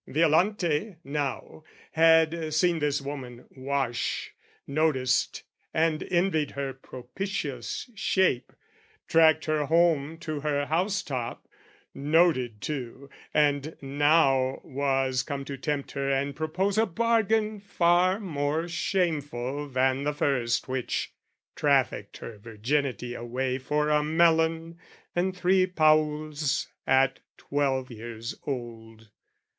Violante, now, had seen this woman wash, Noticed and envied her propitious shape, Tracked her home to her house top, noted too, And now was come to tempt her and propose A bargain far more shameful than the first Which trafficked her virginity away For a melon and three pauls at twelve years old.